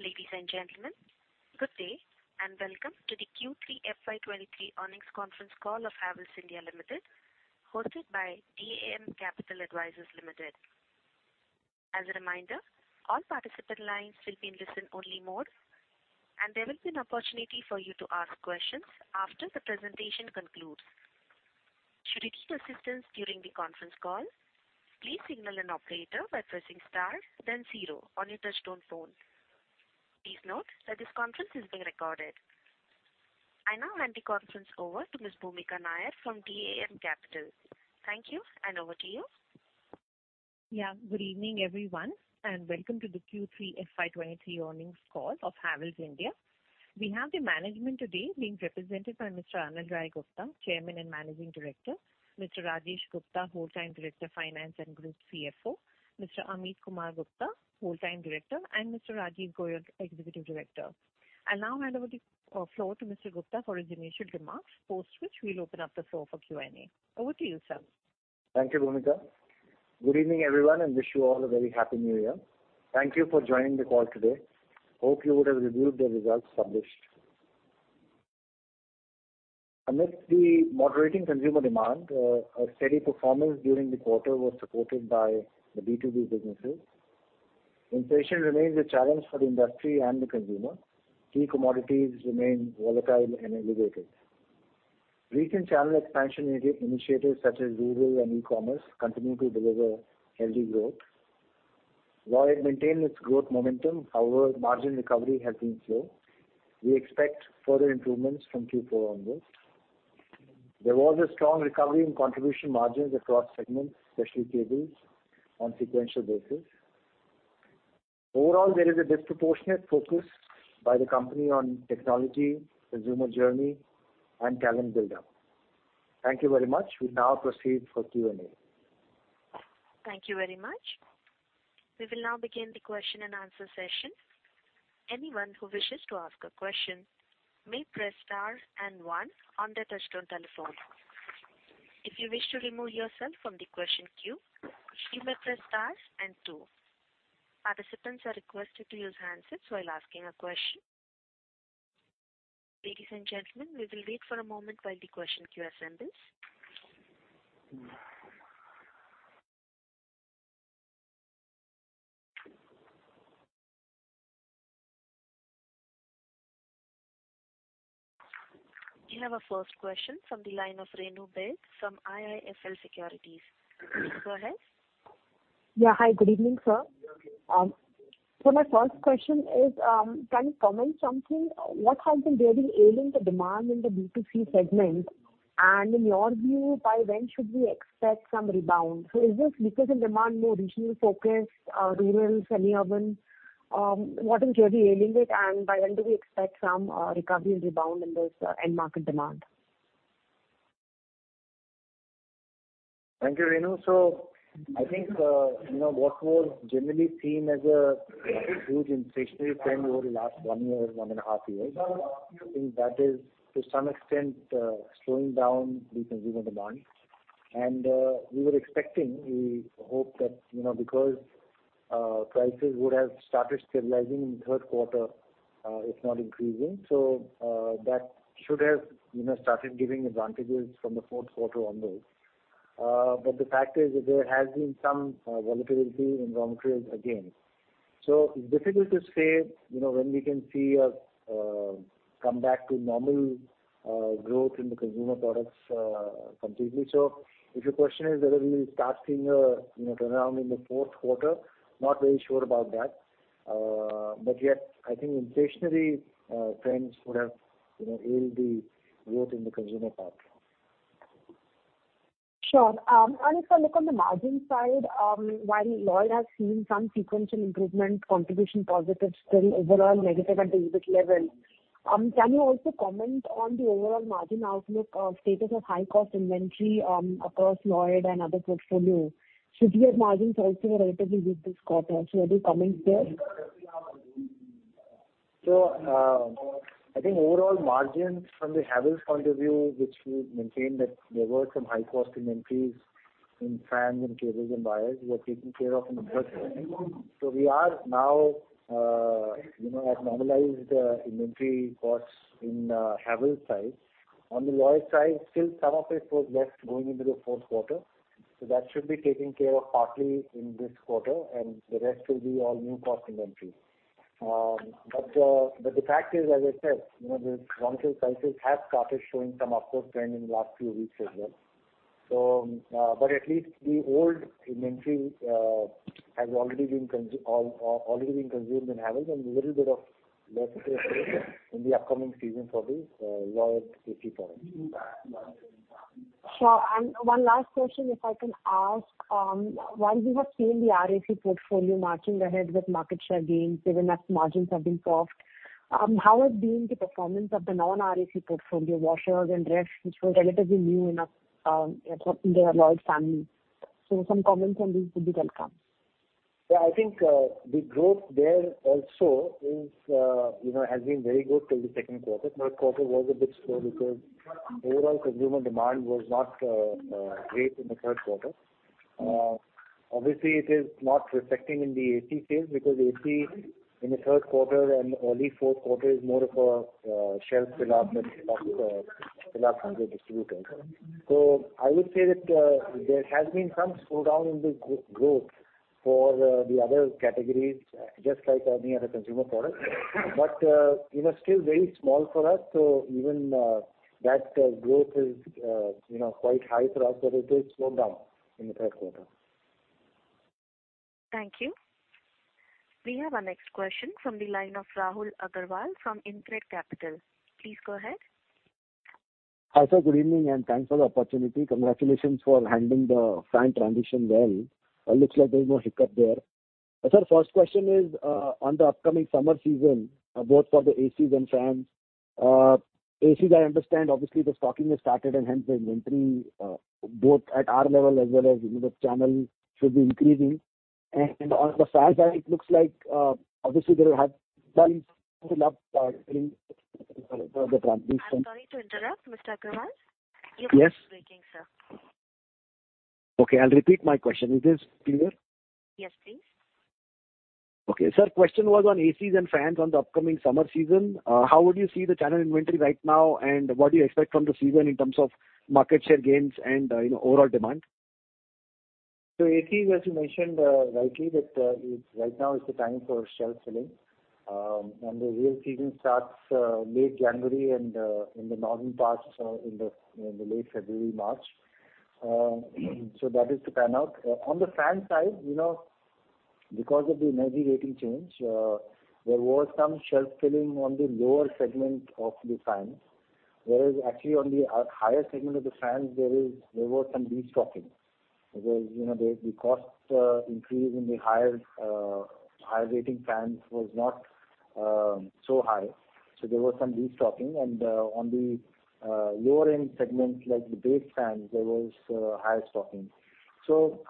Ladies and gentlemen, good day and welcome to the Q3 FY23 earnings conference call of Havells India Limited, hosted by DAM Capital Advisors Limited. As a reminder, all participant lines will be in listen-only mode, and there will be an opportunity for you to ask questions after the presentation concludes. Should you need assistance during the conference call, please signal an operator by pressing star then zero on your touchtone phone. Please note that this conference is being recorded. I now hand the conference over to Ms. Bhoomika Nair from DAM Capital. Thank you, and over to you. Yeah, good evening, everyone, and welcome to the Q3 FY23 earnings call of Havells India. We have the management today being represented by Mr. Anil Rai Gupta, Chairman and Managing Director, Mr. Rajesh Kumar Gupta, Whole Time Director, Finance and Group CFO, Mr. Ameet Kumar Gupta, Whole Time Director, and Mr. Rajiv Goel, Executive Director. I'll now hand over the floor to Mr. Gupta for his initial remarks, post which we'll open up the floor for Q&A. Over to you, sir. Thank you, Bhumika. Good evening, everyone. Wish you all a very happy New Year. Thank you for joining the call today. Hope you would have reviewed the results published. Amidst the moderating consumer demand, a steady performance during the quarter was supported by the B2B businesses. Inflation remains a challenge for the industry and the consumer. Key commodities remain volatile and elevated. Recent channel expansion initiatives such as rural and e-commerce continue to deliver healthy growth. Lloyd maintained its growth momentum, however, margin recovery has been slow. We expect further improvements from Q4 onwards. There was a strong recovery in contribution margins across segments, especially cables, on sequential basis. Overall, there is a disproportionate focus by the company on technology, consumer journey, and talent buildup. Thank you very much. We now proceed for Q&A. Thank you very much. We will now begin the question-and-answer session. Anyone who wishes to ask a question may press star and one on their touchtone telephone. If you wish to remove yourself from the question queue, you may press star and two. Participants are requested to use handsets while asking a question. Ladies and gentlemen, we will wait for a moment while the question queue assembles. We have our first question from the line of Renu Baid from IIFL Securities. Please go ahead. Yeah. Hi, good evening, sir. My first question is, can you comment something? What has been really ailing the demand in the B2C segment? In your view, by when should we expect some rebound? Is this weakness in demand more regional focused, rural, semi-urban? What is really ailing it? By when do we expect some recovery and rebound in this end market demand? Thank you, Renu. I think, you know, what was generally seen as a huge inflationary trend over the last one year, one and a half years, I think that is to some extent, slowing down the consumer demand. We were expecting, we hope that, you know, because, prices would have started stabilizing in third quarter, if not increasing. That should have, you know, started giving advantages from the fourth quarter onwards. The fact is there has been some volatility in raw materials again. It's difficult to say, you know, when we can see a come back to normal growth in the consumer products completely. If your question is whether we will start seeing a, you know, turnaround in the fourth quarter, not very sure about that. Yet I think inflationary trends would have, you know, hailed the growth in the consumer products. Sure. If I look on the margin side, while Lloyd has seen some sequential improvement, contribution positive, still overall negative at the EBIT level, can you also comment on the overall margin outlook, status of high-cost inventory, across Lloyd and other portfolio? Should we expect margins also to relatively good this quarter? Any comments there? I think overall margins from the Havells point of view, which we maintained that there were some high-cost inventories in fans and cables and wires were taken care of in the first half. We are now, you know, at normalized inventory costs in Havells side. On the Lloyd side, still some of it was left going into the fourth quarter, so that should be taken care of partly in this quarter, and the rest will be all new cost inventory. But the fact is, as I said, you know, the raw material prices have started showing some upward trend in the last few weeks as well. But at least the old inventory has already been consumed in Havells and little bit of lesser pressure in the upcoming season for the Lloyd AC products. Sure. One last question, if I can ask. While we have seen the RAC portfolio marching ahead with market share gains, even as margins have been soft, how has been the performance of the non-RAC portfolio, washers and refs, which were relatively new in the Lloyd family? Some comments on this would be welcome. Yeah, I think, the growth there also is, you know, has been very good till the second quarter. First quarter was a bit slow because overall consumer demand was not great in third quarter. Obviously it is not reflecting in the AC sales, because AC in the third quarter and early fourth quarter is more of a shelf fill up of fill up from the distributors. I would say that there has been some slowdown in the growth for the other categories, just like any other consumer product. You know, still very small for us, so even that growth is, you know, quite high for us, but it is slowed down in the third quarter. Thank you. We have our next question from the line of Rahul Agarwal from InCred Capital. Please go ahead. Hi, sir. Good evening, and thanks for the opportunity. Congratulations for handling the fan transition well. Looks like there's no hiccup there. Sir, first question is on the upcoming summer season, both for the ACs and fans. ACs I understand obviously the stocking has started and hence the inventory, both at our level as well as, you know, the channel should be increasing. On the fans side, it looks like, obviously they'll have fill up in the transition. I'm sorry to interrupt, Mr. Agarwal. Yes. You're breaking, sir. I'll repeat my question. Is this clear? Yes, please. Sir, question was on ACs and fans on the upcoming summer season. How would you see the channel inventory right now, and what do you expect from the season in terms of market share gains and, you know, overall demand? AC, as you mentioned, rightly that right now is the time for shelf filling. The real season starts late January and in the northern parts in the late February, March. That is to pan out. On the fan side, you know, because of the energy rating change, there was some shelf filling on the lower segment of the fans. Whereas actually on the higher segment of the fans there was some destocking. Because, you know, the cost increase in the higher rating fans was not so high, so there was some destocking. On the lower end segment, like the base fans, there was higher stocking.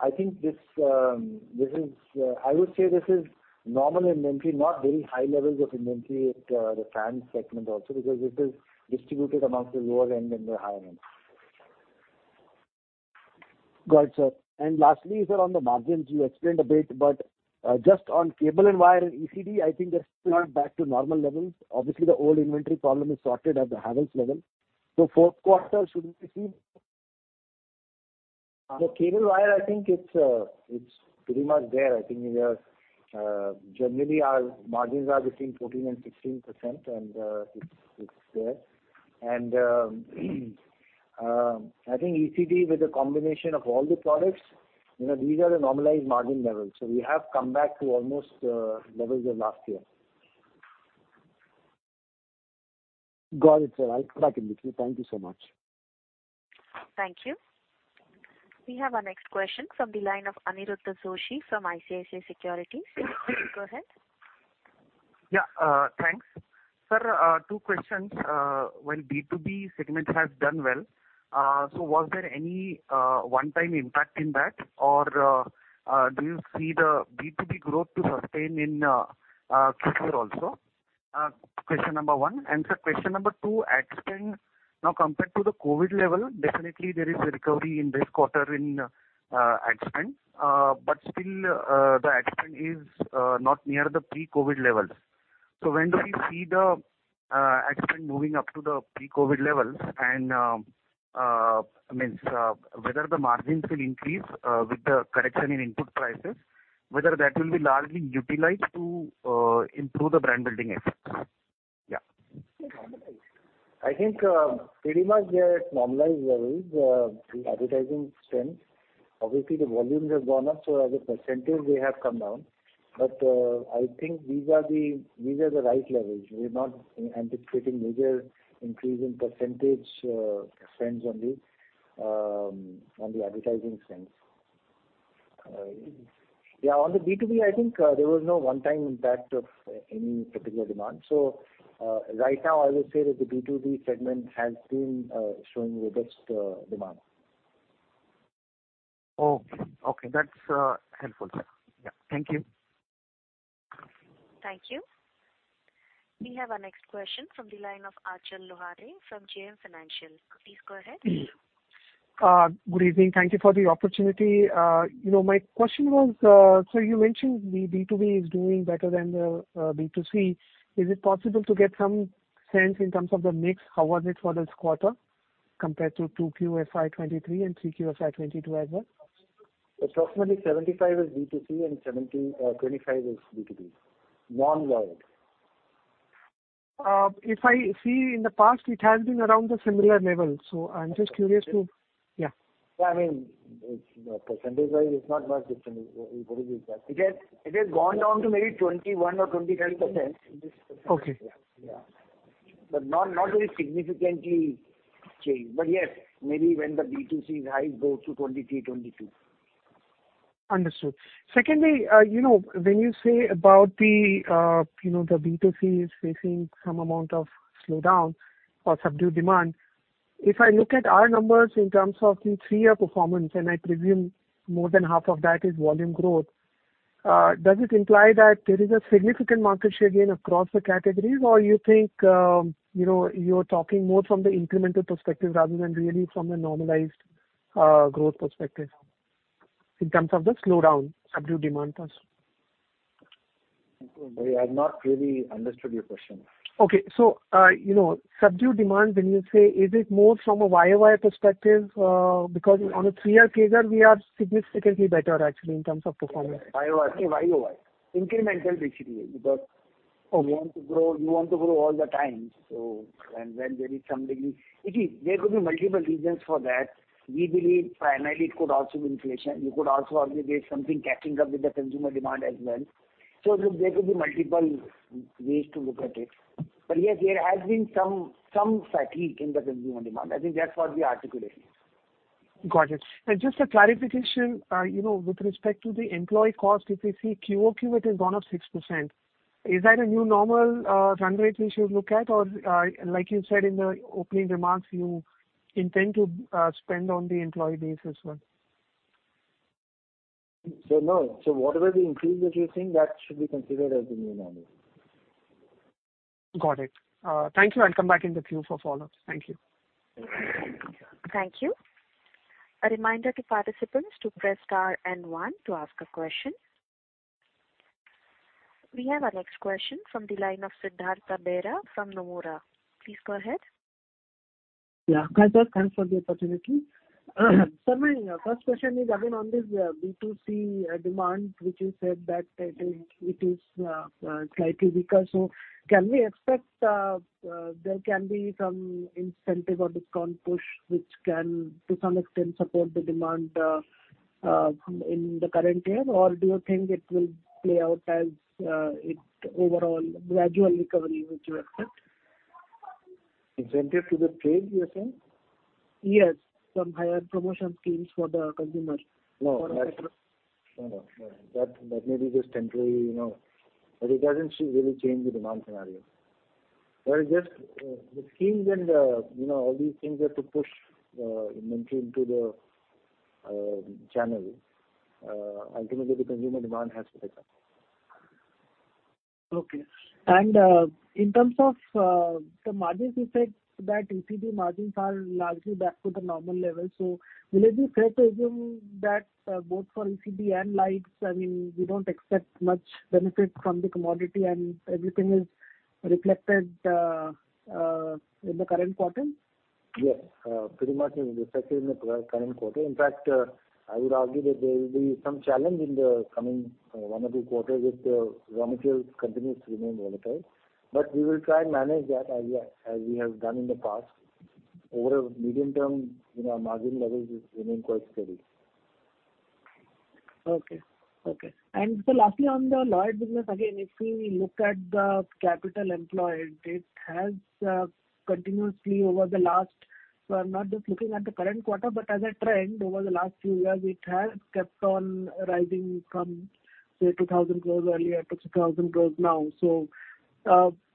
I think this is, I would say this is normal inventory, not very high levels of inventory at, the fan segment also, because it is distributed amongst the lower end and the higher end. Got it, sir. Lastly, sir, on the margins, you explained a bit, but, just on cable and wire and ECD, I think that's still not back to normal levels. Obviously the old inventory problem is sorted at the Havells level. Fourth quarter should we see? The cable wire, I think it's pretty much there. I think we are, generally our margins are between 14% and 16%, and it's there. I think ECD with a combination of all the products, you know, these are the normalized margin levels. We have come back to almost levels of last year. Got it, sir. I'll come back if needed. Thank you so much. Thank you. We have our next question from the line of Aniruddha Joshi from ICICI Securities. Please go ahead. Yeah. Thanks. Sir, two questions. Well, B2B segment has done well. So was there any one-time impact in that? Or, do you see the B2B growth to sustain in future also? Question number one. Question number two, ad spend. Now compared to the COVID level, definitely there is a recovery in this quarter in ad spend. Still, the ad spend is not near the pre-COVID levels. When do we see the ad spend moving up to the pre-COVID levels and means whether the margins will increase with the correction in input prices, whether that will be largely utilized to improve the brand building efforts? Yeah. I think pretty much we are at normalized levels, the advertising spends. Obviously the volumes have gone up, so as percentage they have come down. I think these are the right levels. We're not anticipating major increase in percentage, spends on the advertising spends. Yeah, on the B2B, I think there was no one time impact of any particular demand. Right now I would say that the B2B segment has been showing the best demand. Okay. Okay. That's helpful, sir. Yeah. Thank you. Thank you. We have our next question from the line of Achal Lohade from JM Financial. Please go ahead. Good evening. Thank you for the opportunity. You know, my question was, you mentioned the B2B is doing better than the B2C. Is it possible to get some sense in terms of the mix, how was it for this quarter compared to 2Q FY23 and 3Q FY22 as well? Approximately 75% is B2C and 25% is B2B. Non-wired. If I see in the past, it has been around the similar level, so I'm just curious to- Yeah. Yeah. I mean, it's, percentage-wise it's not much different whether we pass. It has gone down to maybe 21% or 23% in this quarter. Okay. Yeah. Yeah. Not, not very significantly changed. Yes, maybe when the B2C is high, goes to 23, 22. Understood. You know, when you say about the, you know, the B2C is facing some amount of slowdown or subdued demand. If I look at our numbers in terms of the three year performance, and I presume more than half of that is volume growth. Does it imply that there is a significant market share gain across the categories? You think, you know, you're talking more from the incremental perspective rather than really from the normalized growth perspective in terms of the slowdown, subdued demand also. I have not really understood your question. Okay. you know, subdued demand, when you say, is it more from a YOY perspective? because on a three year CAGR, we are significantly better actually in terms of performance. YOY. Incremental basically. Okay. We want to grow, we want to grow all the time. When there is some degree. You see, there could be multiple reasons for that. We believe primarily it could also be inflation. It could also arguably be something catching up with the consumer demand as well. There could be multiple ways to look at it. Yes, there has been some fatigue in the consumer demand. I think that's what we are articulating. Got it. Just a clarification, you know, with respect to the employee cost, if you see QOQ, it has gone up 6%. Is that a new normal run rate we should look at? Like you said in the opening remarks, you intend to spend on the employee base as well. No. Whatever the increase that you're seeing, that should be considered as the new normal. Got it. Thank you. I'll come back in the queue for follow-ups. Thank you. Thank you. Thank you. A reminder to participants to press star and 1 to ask a question. We have our next question from the line of Siddhartha Bera from Nomura. Please go ahead. Yeah. Hi, sir, thanks for the opportunity. Sir, my first question is again on this B2C demand, which you said that I think it is slightly weaker. Can we expect there can be some incentive or discount push which can to some extent support the demand in the current year? Do you think it will play out as it overall gradual recovery which you expect? Incentive to the trade, you're saying? Yes. Some higher promotion schemes for the consumer. No. No, no. That may be just temporary, you know. It doesn't really change the demand scenario. Well, it just the schemes and, you know, all these things are to push inventory into the channel. Ultimately, the consumer demand has to pick up. Okay. In terms of the margins, you said that ECD margins are largely back to the normal level. Will it be fair to assume that both for ECD and lights, I mean, we don't expect much benefit from the commodity and everything is reflected in the current quarter? Yes. pretty much reflected in the current quarter. In fact, I would argue that there will be some challenge in the coming one or two quarters if the raw materials continues to remain volatile. We will try and manage that as we have done in the past. Over a medium term, you know, our margin levels will remain quite steady. Okay. Okay. Lastly, on the Lloyd business, again, if we look at the capital employed, it has continuously over the last... I'm not just looking at the current quarter, but as a trend over the last few years, it has kept on rising from, say, 2,000 crores earlier to 3,000 crores now.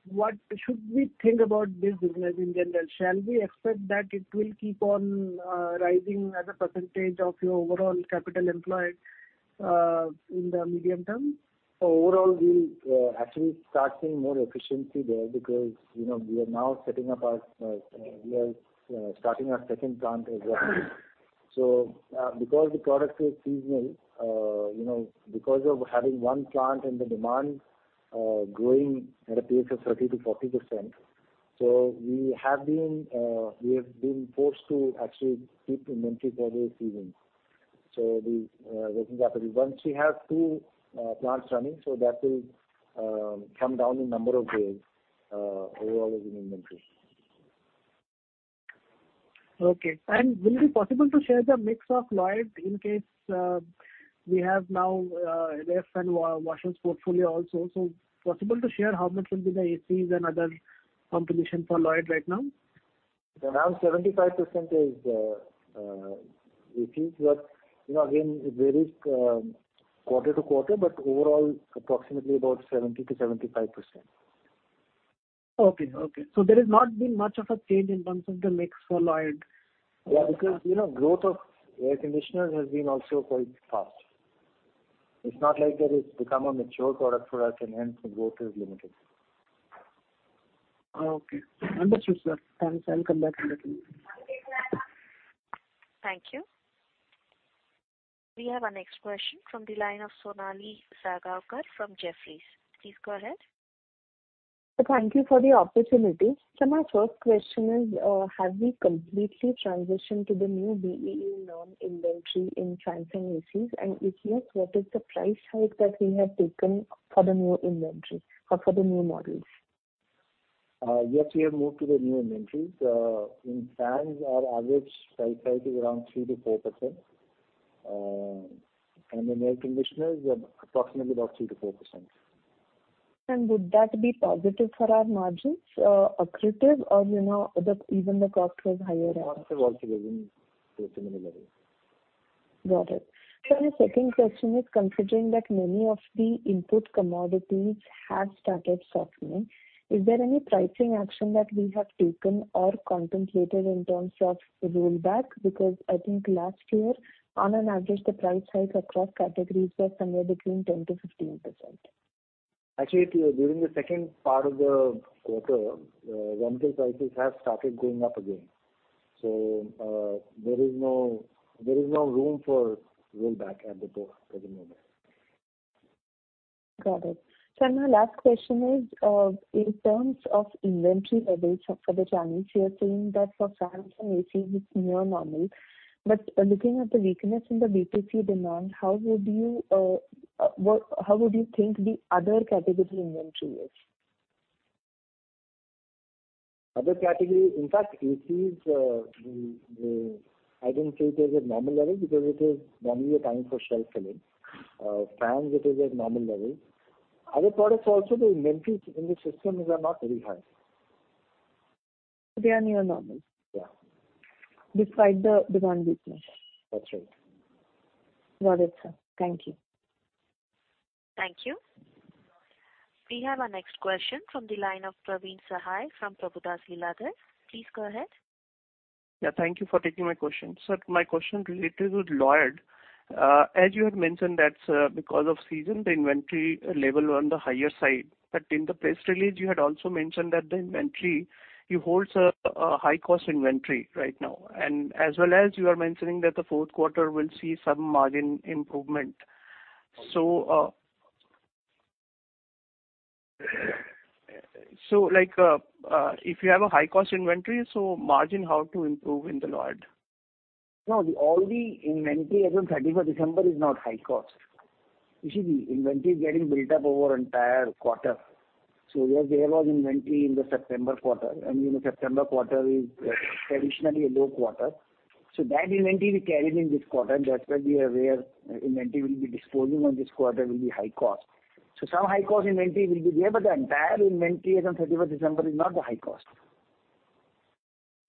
What should we think about this business in general? Shall we expect that it will keep on rising as a percentage of your overall capital employed in the medium term? Overall, we'll actually start seeing more efficiency there because, you know, we are now setting up our, we are starting our second plant as well. Because the product is seasonal, you know, because of having one plant and the demand growing at a pace of 30%-40%. We have been, we have been forced to actually keep inventory for the season. The working capital. Once we have two plants running, that will come down in number of days overall within inventory. Okay. Will it be possible to share the mix of Lloyd in case we have now ref and washers portfolio also. Possible to share how much will be the ACs and other competition for Lloyd right now? Now 75% is ACs. You know, again, it varies, quarter-to-quarter, but overall approximately about 70%-75%. Okay. There has not been much of a change in terms of the mix for Lloyd. Yeah, because you know, growth of air conditioners has been also quite fast. It's not like that it's become a mature product for us and hence the growth is limited. Oh, okay. Understood, sir. Thanks. I'll come back in the queue. Thank you. We have our next question from the line of Sonali Salgaonkar from Jefferies. Please go ahead. Thank you for the opportunity. My first question is, have we completely transitioned to the new BEE norm inventory in fans and ACs? If yes, what is the price hike that we have taken for the new inventory or for the new models? Yes, we have moved to the new inventories. In fans, our average price hike is around 3%-4%. In air conditioners, approximately about 3%-4%. Would that be positive for our margins, accretive or, you know, the, even the cost was higher... Costs have also risen to a similar level. Got it. Sir, my second question is considering that many of the input commodities have started softening, is there any pricing action that we have taken or contemplated in terms of rollback? I think last year on an average, the price hike across categories were somewhere between 10%-15%. Actually, during the second part of the quarter, rental prices have started going up again. There is no room for rollback at the moment. Got it. Sir, my last question is, in terms of inventory levels for the channels, you are saying that for fans and AC it's near normal. Looking at the weakness in the B2C demand, how would you think the other category inventory is? Other category, in fact, ACs, I don't say it is at normal level because it is normally a time for shelf filling. Fans it is at normal level. Other products also, the inventories in the system are not very high. They are near normal. Yeah. Despite the demand weakness. That's right. Got it, sir. Thank you. Thank you. We have our next question from the line of Praveen Sahay from Prabhudas Lilladher. Please go ahead. Yeah, thank you for taking my question. Sir, my question related with Lloyd. As you had mentioned, that, because of season, the inventory level were on the higher side. In the press release, you had also mentioned that the inventory, you holds a high-cost inventory right now, and as well as you are mentioning that the fourth quarter will see some margin improvement. like, if you have a high-cost inventory, so margin, how to improve in the Lloyd? No, the all the inventory as on 31st December is not high cost. You see, the inventory is getting built up over entire quarter. There was inventory in the September quarter, and in the September quarter is traditionally a low quarter. That inventory we carried in this quarter, and that's why we are aware inventory will be disposing on this quarter will be high cost. Some high cost inventory will be there, but the entire inventory as on 31st December is not the high cost.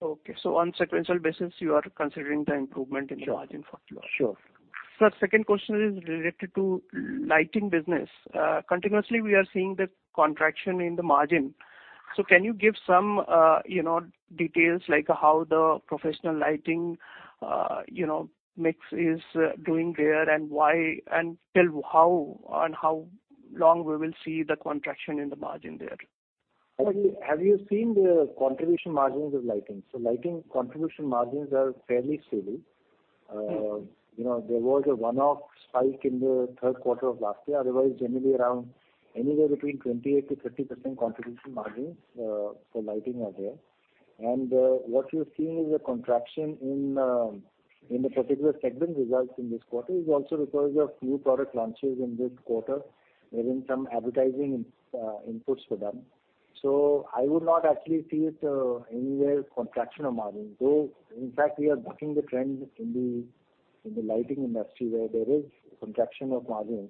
Okay. On sequential basis, you are considering the improvement in the margin for Lloyd. Sure. Sir, second question is related to lighting business. Continuously we are seeing the contraction in the margin. Can you give some, you know, details like how the professional lighting, you know, mix is doing there and why, and tell how and how long we will see the contraction in the margin there? Have you seen the contribution margins of lighting? lighting contribution margins are fairly steady. you know, there was a one-off spike in the third quarter of last year. Otherwise, generally around anywhere between 28%-30% contribution margins for lighting are there. What you're seeing is a contraction in the particular segment results in this quarter is also because of few product launches in this quarter, we're doing some advertising in inputs for them. I would not actually see it anywhere contraction of margin. Though, in fact, we are bucking the trend in the lighting industry where there is contraction of margin.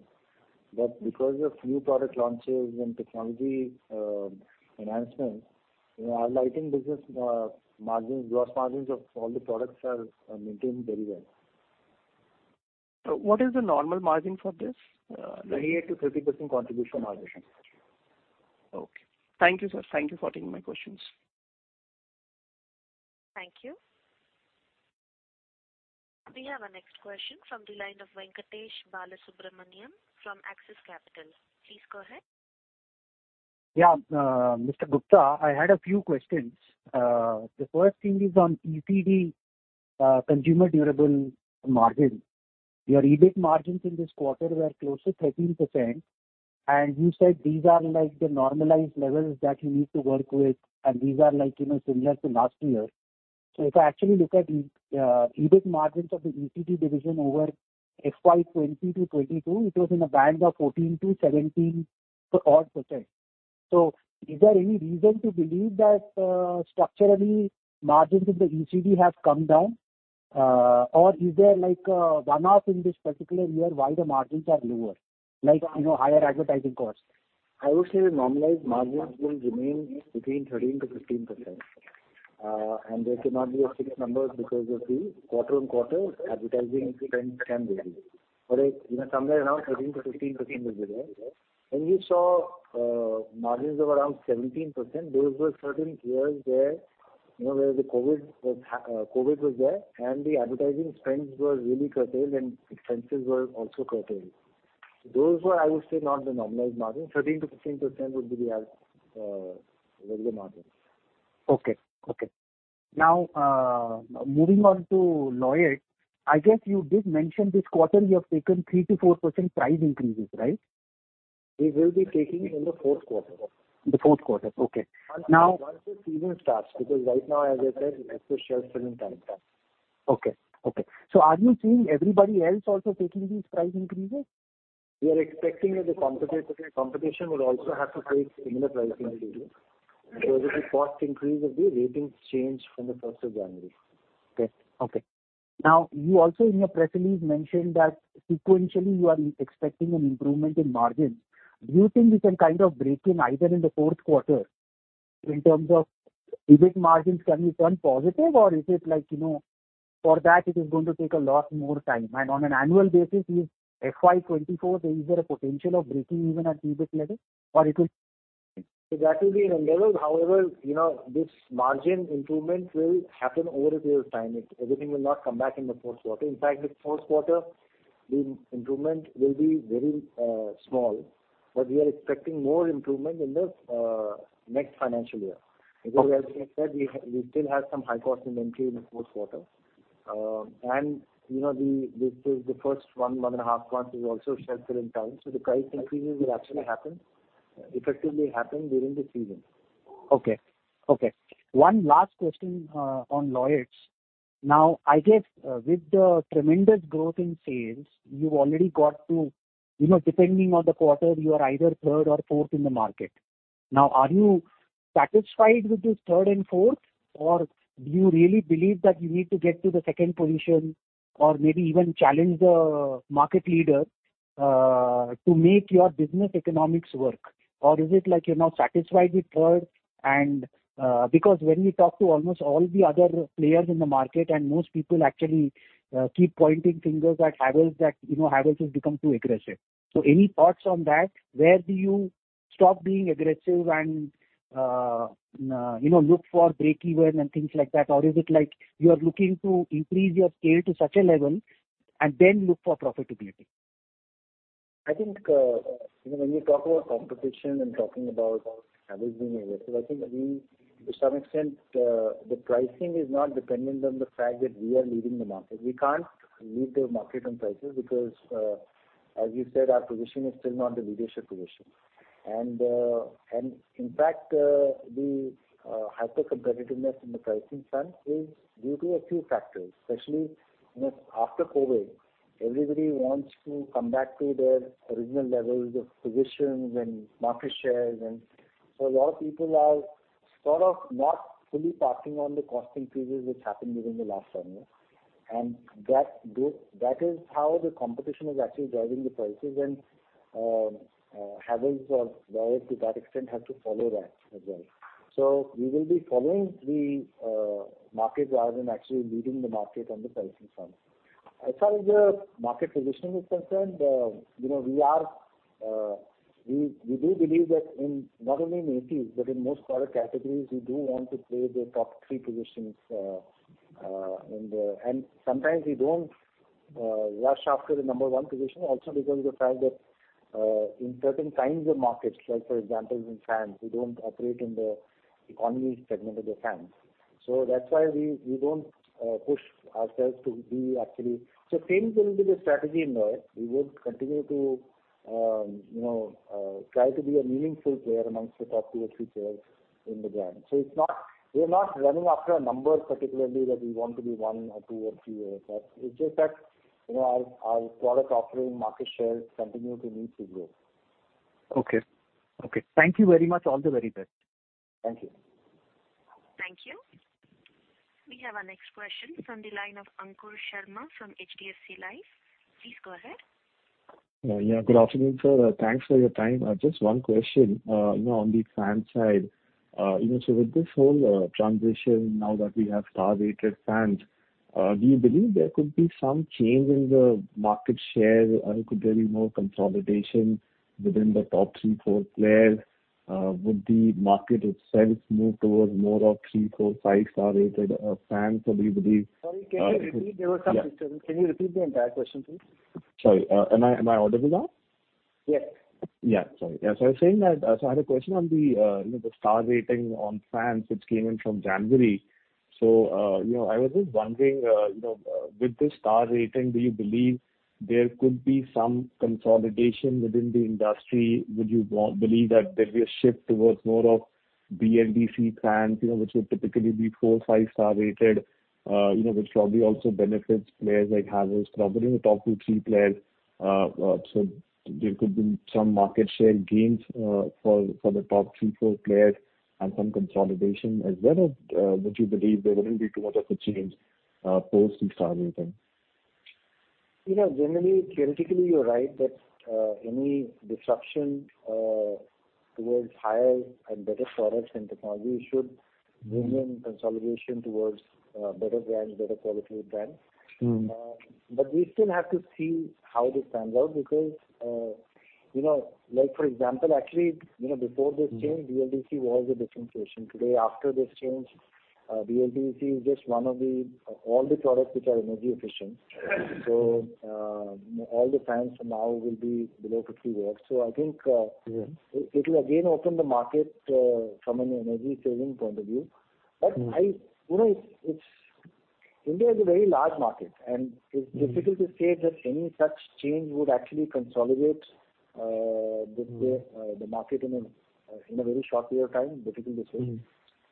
But because of few product launches and technology enhancements, you know, our lighting business margins, gross margins of all the products are maintained very well. What is the normal margin for this? 28%-30% contribution margin. Okay. Thank you, sir. Thank you for taking my questions. Thank you. We have our next question from the line of Venkatesh Balasubramaniam from Axis Capital. Please go ahead. Mr. Gupta, I had a few questions. The first thing is on ECD consumer durable margin. Your EBIT margins in this quarter were close to 13%, and you said these are like the normalized levels that you need to work with, and these are like, you know, similar to last year. If I actually look at EBIT margins of the ECD division over FY20-FY22, it was in a band of 14%-17% odd. Is there any reason to believe that structurally margins in the ECD have come down? Or is there like a one-off in this particular year why the margins are lower? Like, you know, higher advertising costs. I would say normalized margins will remain between 13%-15%. There cannot be a fixed number because you see quarter-on-quarter advertising spend can vary. You know, somewhere around 13%-15% will be there. When you saw margins of around 17%, those were certain years where, you know, where the COVID was there and the advertising spends were really curtailed and expenses were also curtailed. Those were, I would say, not the normalized margin. 13%-15% would be our regular margin. Okay. Okay. Now, moving on to Lloyd. I guess you did mention this quarter you have taken 3%-4% price increases, right? We will be taking in the fourth quarter. The fourth quarter. Okay. Now- Once the season starts, because right now, as I said, it's a shelf filling time now. Okay. Okay. Are you seeing everybody else also taking these price increases? We are expecting that the competition would also have to take similar pricing changes because of the cost increase of the ratings change from the first of January. Okay. Okay. Now, you also in your press release mentioned that sequentially you are expecting an improvement in margins. Do you think we can kind of break in either in the fourth quarter in terms of EBIT margins, can you turn positive or is it like, you know, for that it is going to take a lot more time? On an annual basis, is FY24, is there a potential of breaking even at EBIT level? That will be in a level. However, you know, this margin improvement will happen over a period of time. It, everything will not come back in the fourth quarter. In fact, this fourth quarter, the improvement will be very small, but we are expecting more improvement in the next financial year. Okay. As we have said, we still have some high cost inventory in the fourth quarter. You know, this is the first one and a half months is also shelter in time. The price increases will effectively happen during the season. Okay. Okay. One last question on Lloyd. I guess, with the tremendous growth in sales, you've already got to, you know, depending on the quarter, you are either third or fourth in the market. Are you satisfied with this third and fourth, or do you really believe that you need to get to the second position or maybe even challenge the market leader to make your business economics work? Is it like you're now satisfied with third and, because when we talk to almost all the other players in the market, and most people actually keep pointing fingers at Havells that, you know, Havells has become too aggressive. Any thoughts on that? Where do you stop being aggressive and, you know, look for breakeven and things like that? Is it like you are looking to increase your scale to such a level and then look for profitability? I think, when you talk about competition and talking about Havells being aggressive, I think we to some extent, the pricing is not dependent on the fact that we are leading the market. We can't lead the market on prices because, as you said, our position is still not the leadership position. In fact, the hyper-competitiveness in the pricing front is due to a few factors, especially, after COVID, everybody wants to come back to their original levels of positions and market shares. A lot of people are sort of not fully passing on the cost increases which happened during the last one year. That is how the competition is actually driving the prices and Havells or Lloyd to that extent have to follow that as well. We will be following the market rather than actually leading the market on the pricing front. As far as the market position is concerned, you know, we do believe that in not only in ACs, but in most product categories, we do want to play the top three positions, and sometimes we don't rush after the number one position also because of the fact that in certain kinds of markets, like for example, in fans, we don't operate in the economy segment of the fans. That's why we don't push ourselves to be. Same will be the strategy in Lloyd. We would continue to, you know, try to be a meaningful player amongst the top two or three players in the brand. It's not, we're not running after a number particularly that we want to be one or two or three or four. It's just that, you know, our product offering market share continue to need to grow. Okay. Okay. Thank you very much. All the very best. Thank you. Thank you. We have our next question from the line of Ankur Sharma from HDFC Life. Please go ahead. Yeah. Good afternoon, sir. Thanks for your time. Just one question, you know, on the fan side. You know, with this whole transition now that we have star rated fans, do you believe there could be some change in the market share? Could there be more consolidation within the top three, four players? Would the market itself move towards more of three, four, five-star rated, fans? Do you believe- Sorry, can you repeat? There was some disturbance. Yeah. Can you repeat the entire question, please? Sorry. Am I audible now? Yes. Yeah. Sorry. Yeah. I was saying that, so I had a question on the, you know, the star rating on fans which came in from January. You know, I was just wondering, you know, with this star rating, do you believe there could be some consolidation within the industry? Would you believe that there is a shift towards more of BLDC fans, you know, which would typically be four or five star rated, you know, which probably also benefits players like Havells, probably in the top two, three players. There could be some market share gains, for the top three, four players and some consolidation as well. Would you believe there wouldn't be too much of a change, post the star rating? You know, generally, theoretically you're right that, any disruption, towards higher and better products and technology should bring in consolidation towards, better brands, better quality of brands. Mm-hmm. We still have to see how this pans out because, you know, like for example, actually, you know, before this change, BLDC was a differentiation. Today, after this change, BLDC is just one of the, all the products which are energy efficient. Right. All the fans now will be below 50 watts. I think. Mm-hmm. It'll again open the market, from an energy saving point of view. Mm-hmm. You know, it's India is a very large market, and it's difficult to say that any such change would actually consolidate the market in a very short period of time, difficult to say.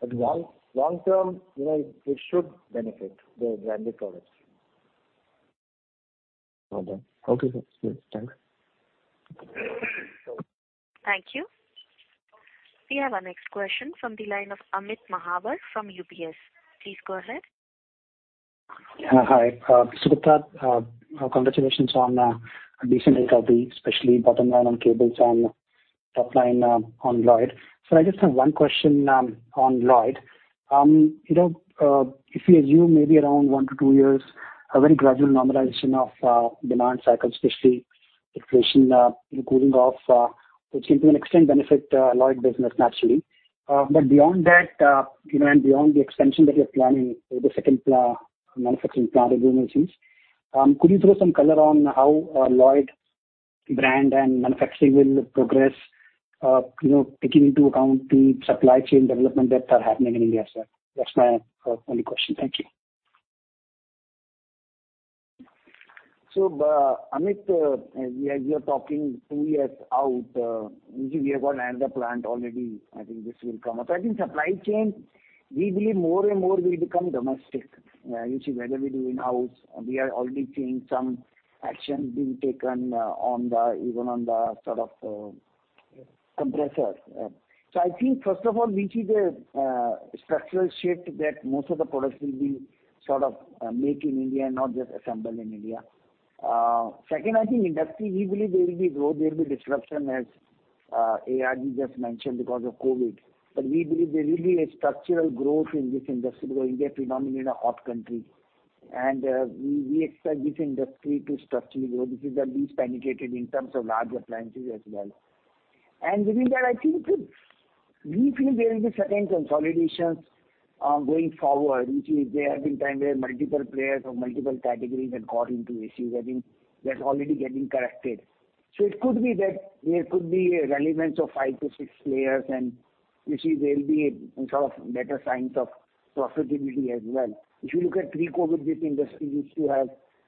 Mm-hmm. Long, long term, you know, it should benefit the branded products. Well done. Okay, sir. Yes, thanks. Thank you. We have our next question from the line of Amit Mahawar from UBS. Please go ahead. Hi, Subrata. Congratulations on recent results, especially bottom line on cables and top line on Lloyd. I just have one question on Lloyd. You know, if we assume maybe around one-two years a very gradual normalization of demand cycles, especially inflation cooling off, which will to an extent benefit Lloyd business naturally. Beyond that, you know, and beyond the expansion that you're planning with the second manufacturing plant I do mean to say, could you throw some color on how Lloyd brand and manufacturing will progress, you know, taking into account the supply chain development that are happening in India, sir? That's my only question. Thank you. Amit, as we are talking two years out, usually we have got another plant already. I think this will come up. I think supply chain, we believe more and more will become domestic. You see whether we do in-house, we are already seeing some action being taken even on the sort of compressors. I think first of all we see the structural shift that most of the products will be sort of made in India, not just assembled in India. Second, I think industry, we believe there will be growth, there will be disruption as ARV just mentioned because of COVID. We believe there will be a structural growth in this industry because India predominantly in a hot country. We expect this industry to structurally grow. This is the least penetrated in terms of large appliances as well. Within that, I think we feel there will be certain consolidations, going forward, which is there have been time where multiple players or multiple categories had got into issues. I think that's already getting corrected. It could be that there could be a relevance of five to six players and you see there'll be a sort of better signs of profitability as well. If you look at pre-COVID, this industry used to have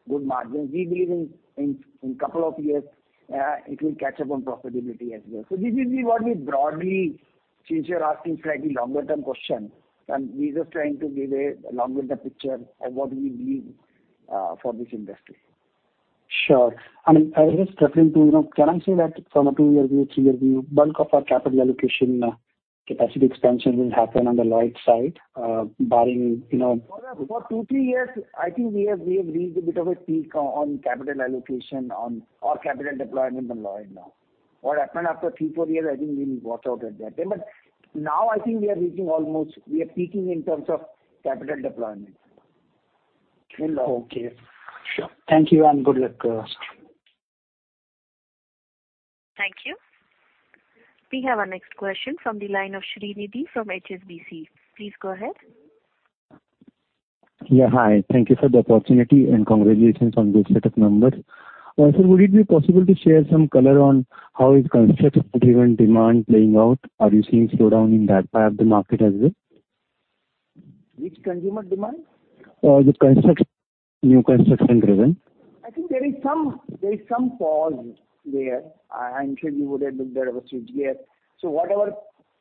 good margins. We believe in couple of years, it will catch up on profitability as well. This is what we broadly, since you're asking slightly longer term question, and we're just trying to give a longer term picture of what we believe, for this industry. Sure. I mean, I was just referring to, you know, can I say that from a two-year view, three-year view, bulk of our capital allocation, capacity expansion will happen on the Lloyd side, barring. For two, three years, I think we have reached a bit of a peak on capital allocation on or capital deployment on Lloyd now. What happened after three, four years, I think we will work out at that time. Now I think we are reaching almost, we are peaking in terms of capital deployment in Lloyd. Okay. Sure. Thank you and good luck. Thank you. We have our next question from the line of Srinidhi from HSBC. Please go ahead. Hi. Thank you for the opportunity and congratulations on good set of numbers. Sir, would it be possible to share some color on how is construction driven demand playing out? Are you seeing slowdown in that part of the market as well? Which consumer demand? The construction, new construction driven. I think there is some pause there. I'm sure you would have looked at our CAGR. Whatever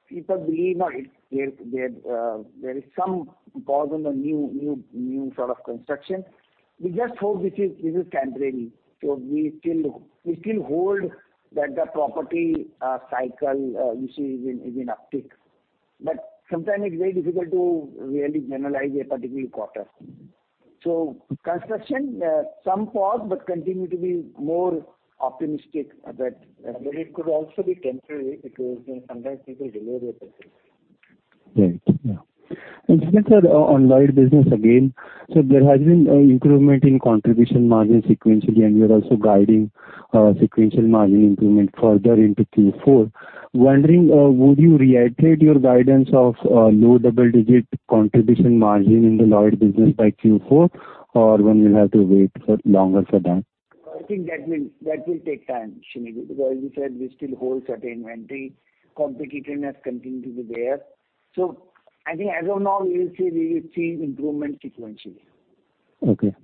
people believe or if there is some pause on the new sort of construction, we just hope this is temporary. We still hold that the property cycle, you see is in uptick. Sometimes it's very difficult to really generalize a particular quarter. Construction, some pause, but continue to be more optimistic that, but it could also be temporary because, you know, sometimes people delay their purchase. Right. Yeah. Just, sir, on Lloyd business again. There has been improvement in contribution margin sequentially, and you're also guiding sequential margin improvement further into Q4. Wondering, would you reiterate your guidance of low double-digit contribution margin in the Lloyd business by Q4? Or when we'll have to wait for longer for that? I think that will take time, Srinidhi, because as you said, we still hold certain inventory. Competition has continued to be there. I think as of now we will see, we will see improvement sequentially. Okay.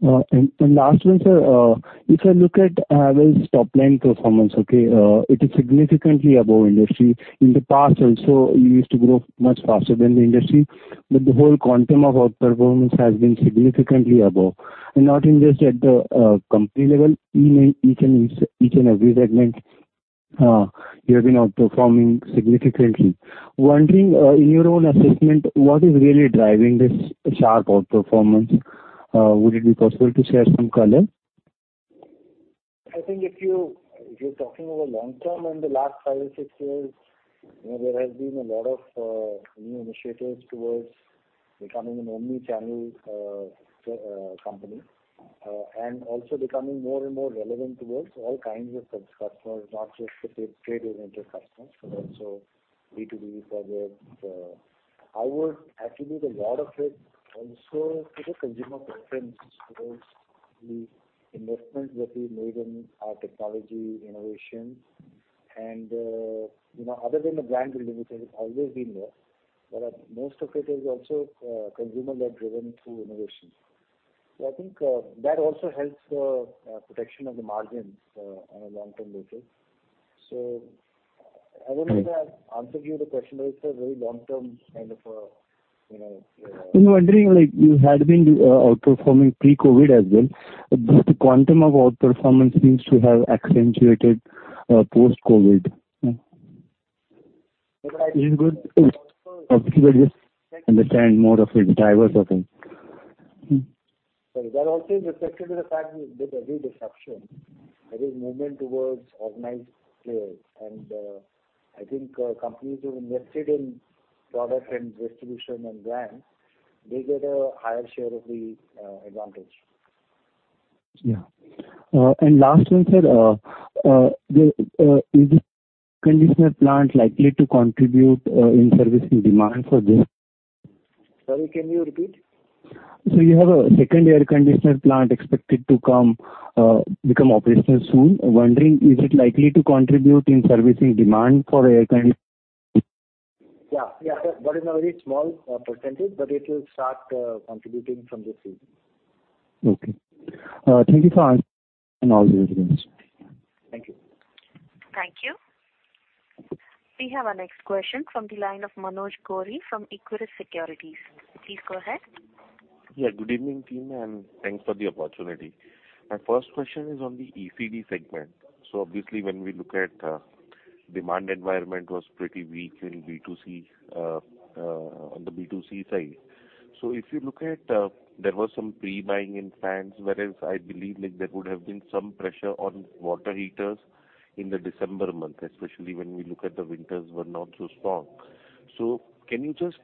And last one, sir. If I look at Havells' top line performance, okay, it is significantly above industry. In the past also, you used to grow much faster than the industry, but the whole quantum of outperformance has been significantly above. Not in just at the company level, in each and every segment, you have been outperforming significantly. Wondering, in your own assessment, what is really driving this sharp outperformance? Would it be possible to share some color? I think if you're talking about long term in the last five, six years, you know, there has been a lot of new initiatives towards becoming an omni-channel company. Also becoming more and more relevant towards all kinds of customers, not just the trade oriented customers, but also B2B products. I would attribute a lot of it also to the consumer preference towards the investments that we made in our technology innovations. You know, other than the brand building, which has always been there. Most of it is also consumer led driven through innovation. I think that also helps protection of the margins on a long term basis. I don't know if I've answered you the question, but it's a very long term kind of, you know. No, wondering like you had been, outperforming pre-COVID as well. The quantum of outperformance seems to have accentuated, post-COVID. But I think- It is good. Just understand more of the drivers of it. Sorry. That also is especially the fact we did a re-disruption. There is movement towards organized players. I think companies who invested in product and distribution and brands, they get a higher share of the advantage. Yeah. Last one, sir. Is this conditioner plant likely to contribute in servicing demand for this? Sorry, can you repeat? You have a second air conditioner plant expected to come, become operational soon. I'm wondering, is it likely to contribute in servicing demand for air con? Yeah. Yeah. That is a very small percentage, but it will start contributing from this season. Okay. Thank you for answering and all the other things. Thank you. Thank you. We have our next question from the line of Manoj Gori from Equirus Securities. Please go ahead. Good evening team, and thanks for the opportunity. My first question is on the ECD segment. Obviously when we look at, demand environment was pretty weak in B2C, on the B2C side. If you look at, there was some pre-buying in fans, whereas I believe like there would have been some pressure on water heaters in the December month, especially when we look at the winters were not so strong. Can you just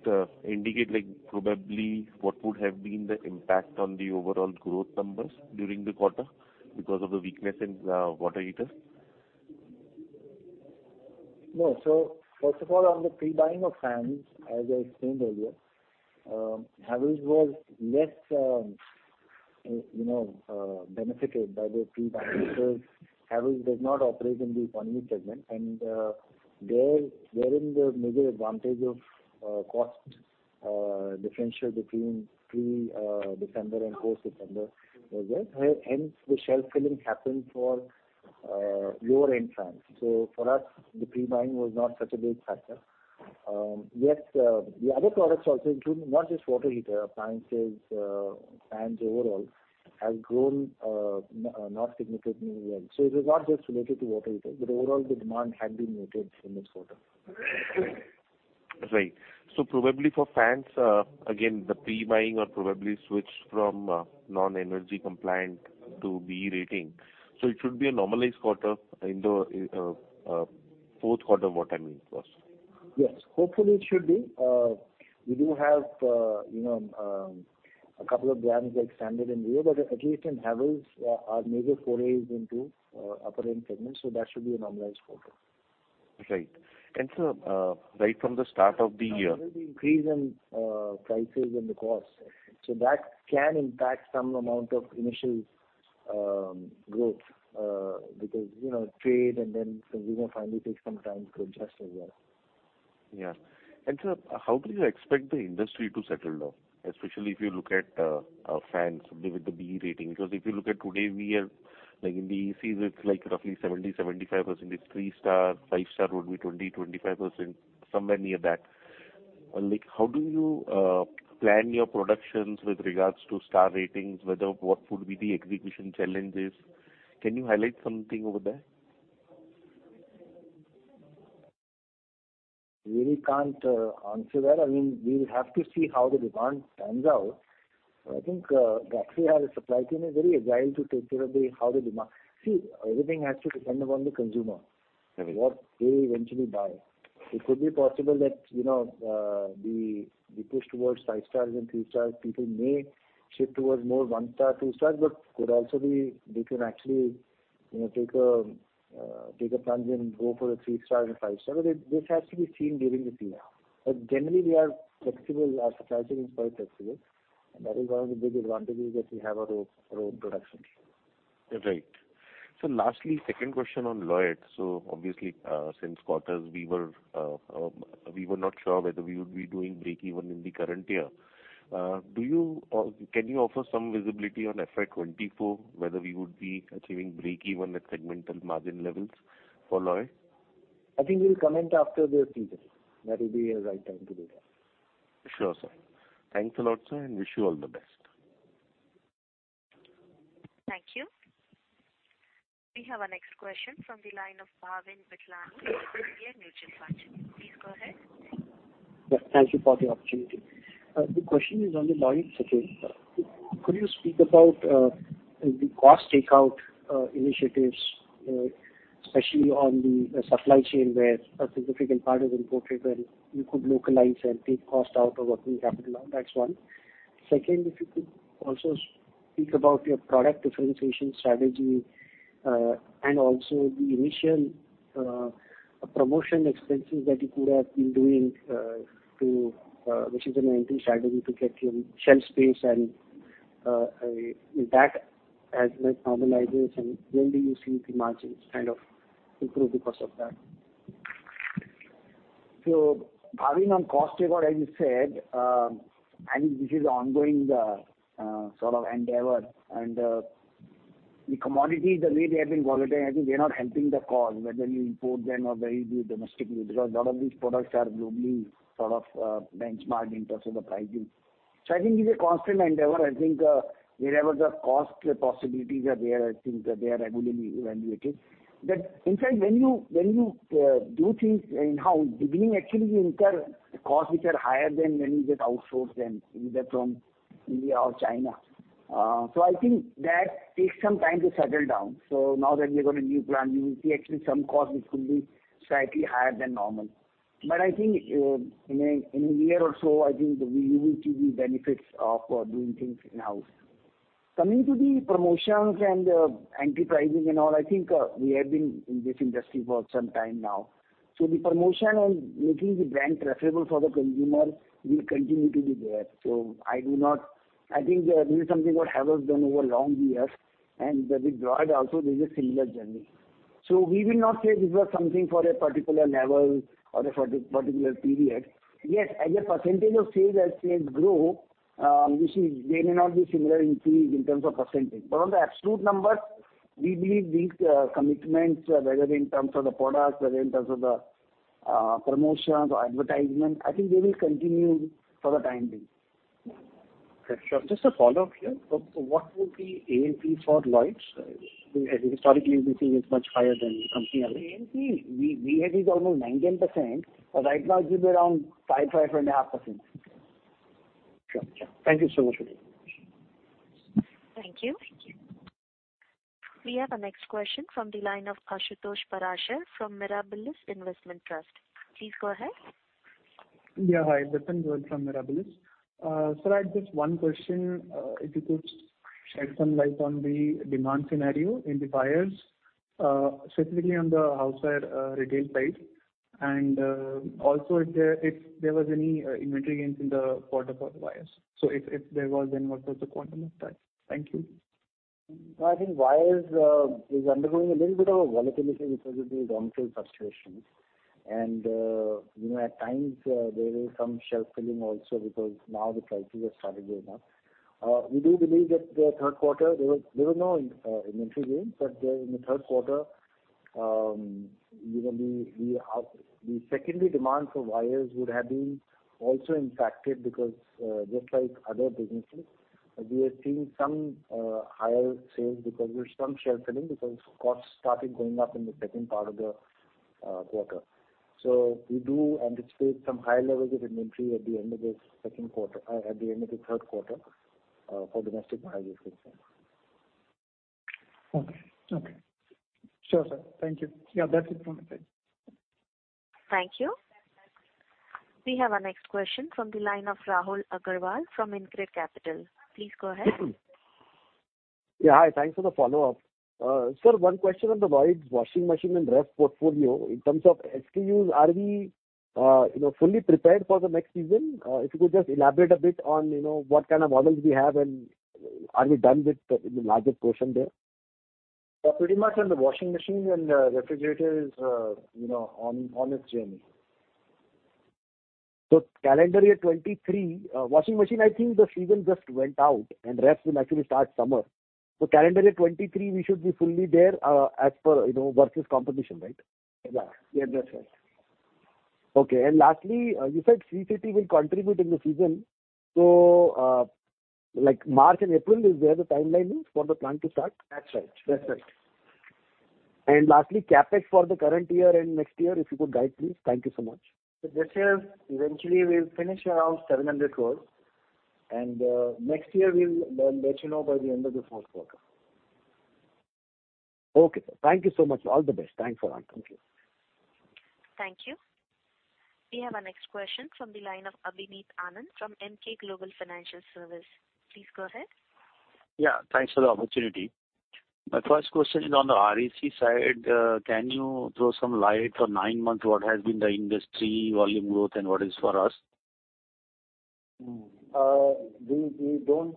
indicate like probably what would have been the impact on the overall growth numbers during the quarter because of the weakness in water heaters? First of all, on the pre-buying of fans, as I explained earlier, Havells was less, you know, benefited by the pre-buying because Havells does not operate in the economy segment. There, wherein the major advantage of cost differential between pre-December and post-December was there. Hence, the shelf filling happened for lower-end fans. For us, the pre-buying was not such a big factor. The other products also, including not just water heater, appliances, fans overall has grown not significantly well. It was not just related to water heater, but overall the demand had been muted in this quarter. Right. Probably for fans, again, the pre-buying or probably switch from, non-energy compliant to BEE rating. It should be a normalized quarter in the, fourth quarter, what I mean first. Yes. Hopefully it should be. We do have, you know, a couple of brands like Standard Electricals and Reo, but at least in Havells, our major foray is into upper end segments. That should be a normalized quarter. Right. Sir, right from the start of the year- There will be increase in, prices and the costs. That can impact some amount of initial, growth, because, you know, trade and then consumer finally takes some time to adjust as well. Yeah. Sir, how do you expect the industry to settle down, especially if you look at fans with the BE rating? If you look at today, we have, like in the EC, it's like roughly 70%-75% is three star, five star would be 20%-25%, somewhere near that. Like, how do you plan your productions with regards to star ratings, whether what would be the execution challenges? Can you highlight something over there? Really can't answer that. I mean, we'll have to see how the demand pans out. I think, actually our supply chain is very agile. See, everything has to depend upon the consumer. Right. What they eventually buy. It could be possible that, you know, the push towards five stars and three stars, people may shift towards more one star, two stars, but could also be they can actually, you know, take a plunge and go for a three star and five star. This has to be seen during the season. Generally we are flexible. Our strategy is quite flexible. That is one of the big advantages that we have our own production. Right. Lastly, second question on Lloyd. Obviously, since quarters we were not sure whether we would be doing breakeven in the current year. Can you offer some visibility on FY24, whether we would be achieving breakeven at segmental margin levels for Lloyd? I think we'll comment after the season. That will be a right time to do that. Sure, sir. Thanks a lot, sir, and wish you all the best. Thank you. We have our next question from the line of Bhavin Vithlani with SBI Mutual Fund. Please go ahead. Yes, thank you for the opportunity. The question is on the Lloyd segment. Could you speak about the cost takeout initiatives especially on the supply chain where a significant part is imported, where you could localize and take cost out of working capital? That's one. Second, if you could also speak about your product differentiation strategy, and also the initial promotion expenses that you could have been doing to which is an entry strategy to get your shelf space and that has led normalization, will you see the margins kind of improve because of that? Bhavin, on cost takeout, as you said, I think this is ongoing sort of endeavor and the commodity, the way they have been volatile, I think they're not helping the cause, whether you import them or whether you do domestically, because a lot of these products are globally sort of benchmarked in terms of the pricing. I think it's a constant endeavor. I think, wherever the cost possibilities are there, I think they are regularly evaluated. That in fact, when you do things in-house, beginning actually the inter costs which are higher than when you just outsource them, either from India or China. I think that takes some time to settle down. Now that we're gonna give brand new, we see actually some costs which could be slightly higher than normal. I think, in a year or so, I think we will see the benefits of doing things in-house. Coming to the promotions and anti-pricing and all, I think, we have been in this industry for some time now. The promotion and making the brand preferable for the consumer will continue to be there. I think this is something what Havells done over long years, and with Lloyd also there's a similar journey. We will not say this was something for a particular level or for a particular period. Yes, as a percentage of sales, as sales grow, you see they may not be similar increase in terms of percentage. On the absolute numbers, we believe these commitments, whether in terms of the products or in terms of the promotions or advertisement, I think they will continue for the time being. Okay, sure. Just a follow-up here. What would be A&P for Lloyd? Historically, we've been seeing it's much higher than company average. A&P, we had it almost 19%, but right now it should be around five and a half percent. Sure. Sure. Thank you so much for the information. Thank you. We have our next question from the line of Ashutosh Parashar from Mirabilis Investment Trust. Please go ahead. Yeah. Hi, Ashutosh from Mirabilis. Sir, I have just one question. If you could shed some light on the demand scenario in the wires, specifically on the housewire, retail side. Also if there was any inventory gains in the quarter for the wires. If there was, then what was the quantum of that? Thank you. I think wires is undergoing a little bit of a volatility because of the raw material fluctuations. You know, at times, there is some shelf clearing also because now the prices have started going up. We do believe that the third quarter there was no inventory gains, but in the third quarter, you know, the, the secondary demand for wires would have been also impacted because just like other businesses, we are seeing some higher sales because there's some shelf clearing because costs started going up in the second part of the quarter. We do anticipate some higher levels of inventory at the end of the third quarter for domestic wires business. Okay. Okay. Sure, sir. Thank you. Yeah, that's it from my side. Thank you. We have our next question from the line of Rahul Agarwal from InCred Capital. Please go ahead. Yeah. Hi. Thanks for the follow-up. Sir, one question on the Lloyd washing machine and ref portfolio. In terms of SKUs, are we, you know, fully prepared for the next season? If you could just elaborate a bit on, you know, what kind of models we have, and are we done with the larger portion there? Pretty much on the washing machine and refrigerators, you know, on its journey. Calendar year 2023, washing machine I think the season just went out, and RACs will actually start summer. Calendar year 2023, we should be fully there, as per, you know, versus competition, right? Yeah. Yeah, that's right. Okay. Lastly, you said ACs will contribute in the season. So, like March and April, is where the timeline is for the plant to start? That's right. That's right. Lastly, CapEx for the current year and next year, if you could guide, please. Thank you so much. This year, eventually we'll finish around 700 crores. Next year, we'll let you know by the end of the fourth quarter. Okay, sir. Thank you so much. All the best. Thanks for answering. Thank you. Thank you. We have our next question from the line of Abhineet Anand from Emkay Global Financial Services. Please go ahead. Yeah, thanks for the opportunity. My first question is on the RAC side. Can you throw some light on nine months, what has been the industry volume growth and what is for us? We, we don't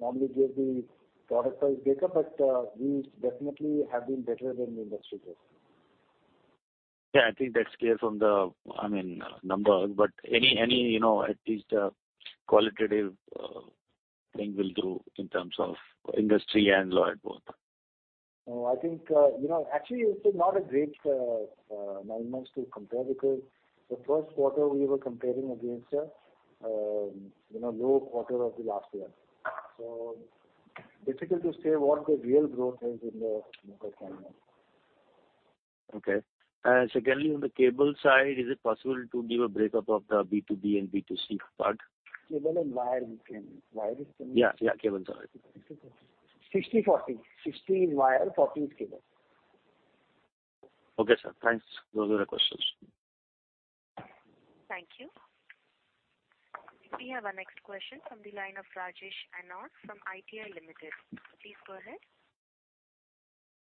normally give the product wise breakup, but we definitely have been better than the industry growth. Yeah, I think that's clear from the, I mean, numbers. Any, you know, at least, qualitative, thing we'll do in terms of industry and Lloyd both? I think, you know, actually it's a not a great nine months to compare because the first quarter we were comparing against a, you know, low quarter of the last year. Difficult to say what the real growth is in the local time now. Okay. Secondly, on the cable side, is it possible to give a breakup of the B2B and B2C part? Cable and wire we can. Wire Yeah, yeah, cable, sorry. 60/40. 60 is wire, 40 is cable. Okay, sir. Thanks. Those were the questions. Thank you. We have our next question from the line of Rajesh Kanna from ITI Limited. Please go ahead.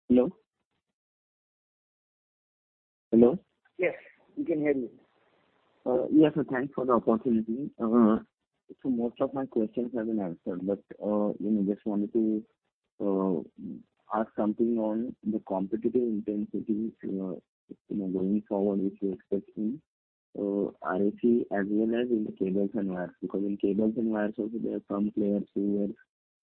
Hello? Hello? Yes. You can hear me. Yes, sir. Thanks for the opportunity. Most of my questions have been answered, but, you know, just wanted to ask something on the competitive intensity, you know, going forward, if you're expecting RAC as well as in the cables and wires. Because in cables and wires also there are some players who were